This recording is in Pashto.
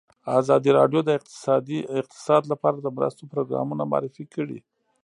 ازادي راډیو د اقتصاد لپاره د مرستو پروګرامونه معرفي کړي.